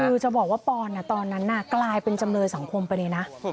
คือจะบอกว่าปอนตอนนั้นกลายเป็นจำเลยสังคมไปเลยนะ